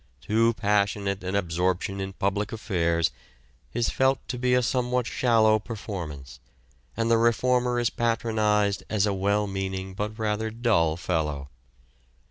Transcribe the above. Too passionate an absorption in public affairs is felt to be a somewhat shallow performance, and the reformer is patronized as a well meaning but rather dull fellow.